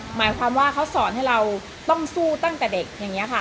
หมายความว่าเขาสอนให้เราต้องสู้ตั้งแต่เด็กอย่างนี้ค่ะ